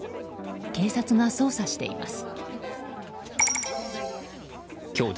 警察が捜査しています。